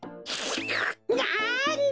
なんだ！